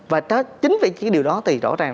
và chính vì điều đó thì rõ ràng